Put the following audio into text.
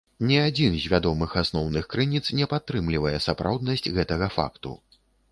Ні адзін з вядомых асноўных крыніц не падтрымлівае сапраўднасць гэтага факту.